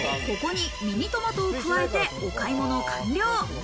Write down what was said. ここにミニトマトを加えて、お買い物完了。